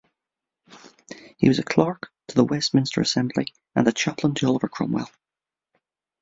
He was a clerk to the Westminster Assembly and a chaplain to Oliver Cromwell.